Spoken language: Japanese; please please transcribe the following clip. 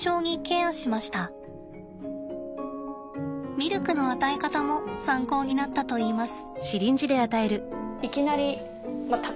ミルクの与え方も参考になったといいます。